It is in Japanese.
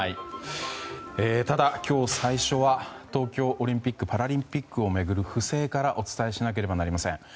ただ、今日最初は東京オリンピック・パラリンピックを巡る不正からお伝えしなければなりません。